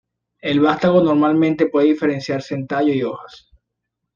El vástago normalmente puede diferenciarse en tallo y hojas.